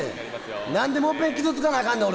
何でもういっぺん傷つかなあかんねん俺。